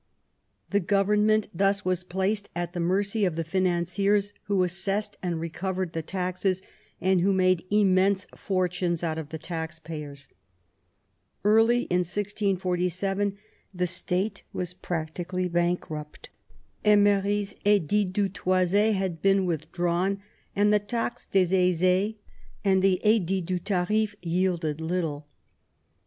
The government thus was placed at the mercy of the financiers, who assessed and re covered the taxes, and who made immense fortunes out of the taxpayers. Early in 1647 the State was practi cally bankrupt. Emery's 4dU du tois4 had been with drawn, and the taxe des ais4s and the idit du tarif yielded little.